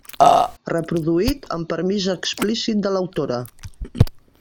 Reproduït amb permís explícit de l'autora.